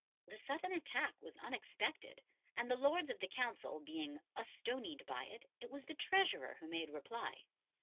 The sudden attack was unexpected, and, the Lords of the Council being "astonied" by it, it was the Treasurer who made reply.